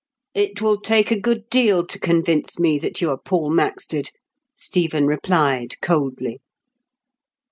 It will take a good deal to convince me that you are Paul Maxted," Stephen replied, coldly.